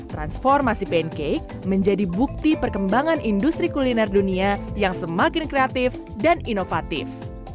transformasi pancake menjadi bukti perkembangan industri kuliner dunia yang semakin kreatif dan inovatif